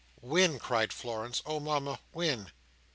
"When?" cried Florence. "Oh, Mama, when?"